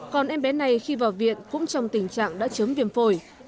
còn em bé này khi vào viện cũng trong tình trạng đã chớm viêm phổi